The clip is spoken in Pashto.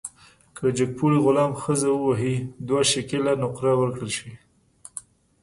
که جګپوړي غلام ښځه ووهي، دوه شِکِله نقره ورکړل شي.